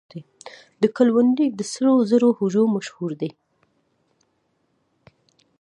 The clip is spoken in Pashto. د کلونډیک د سرو زرو هجوم مشهور دی.